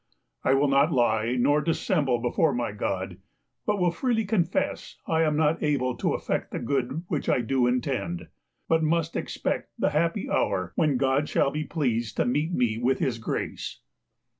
I will not lie nor dissemble before my God, but will freely confess I am not able to effect that good which I do intend, but must expect the happy hour when God shall be pleased to meet me with his grace.